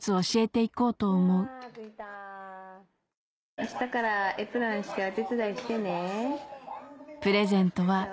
明日からエプロンしてお手伝いしてね。